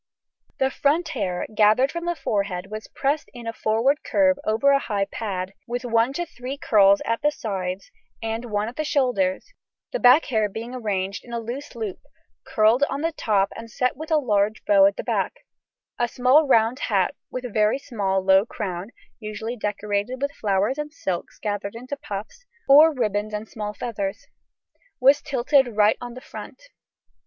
The front hair, gathered from the forehead, was pressed in a forward curve over a high pad, with one to three curls at the sides and one at the shoulders, the back hair being arranged in a loose loop, curled on the top and set with a large bow at the back; a small round hat with very small low crown (usually decorated with flowers and silks gathered into puffs, or ribbons and small feathers) was tilted right on the front.